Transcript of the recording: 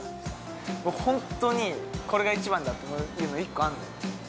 もうホントにこれが一番だっていうの１個あるのよ